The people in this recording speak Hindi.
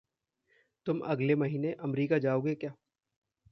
तुम अगले महीने अम्रीका जाओगे क्या?